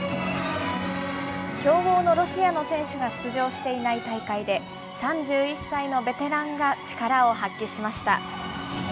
強豪のロシアの選手が出場していない大会で、３１歳のベテランが力を発揮しました。